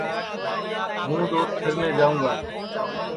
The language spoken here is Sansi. ہوں دؔوت پھیرنے جائوں گی